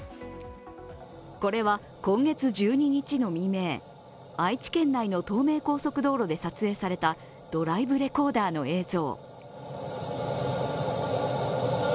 これは今月１２日の未明、愛知県内の東名高速道路で撮影されたドライブレコーダーの映像。